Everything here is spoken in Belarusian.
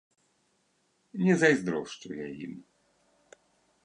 Не зайздрошчу я ім!